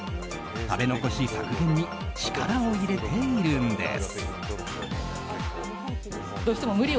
食べ残し削減に力を入れているんです。